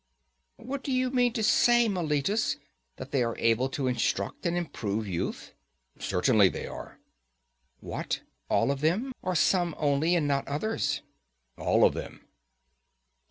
What, do you mean to say, Meletus, that they are able to instruct and improve youth? Certainly they are. What, all of them, or some only and not others? All of them.